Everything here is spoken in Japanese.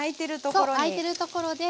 そうですあいてるところで。